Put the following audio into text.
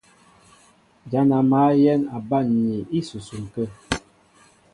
Ján a mǎl yɛ̌n a banmni ísusuŋ kə̂.